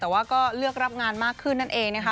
แต่ว่าก็เลือกรับงานมากขึ้นนั่นเองนะคะ